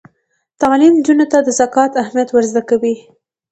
تعلیم نجونو ته د زکات اهمیت ور زده کوي.